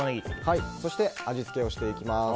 そして味付けをしていきます。